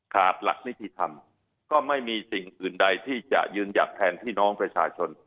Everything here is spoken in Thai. หลักนิติธรรมก็ไม่มีสิ่งอื่นใดที่จะยืนหยัดแทนพี่น้องประชาชน